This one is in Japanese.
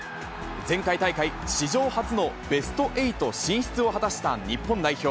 前回大会、史上初のベスト８進出を果たした日本代表。